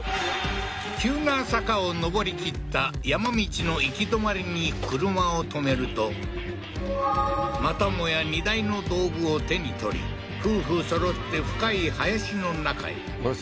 急な坂を登り切った山道の行き止まりに車を止めるとまたもや荷台の道具を手に取り夫婦そろって深い林の中へあれ？